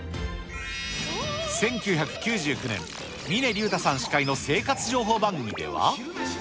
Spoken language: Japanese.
１９９９年、峰竜太さん司会の生活情報番組では。